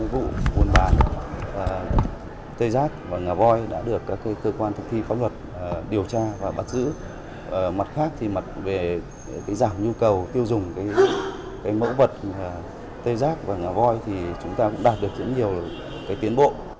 và tê giác và ngả voi thì chúng ta cũng đạt được rất nhiều cái tiến bộ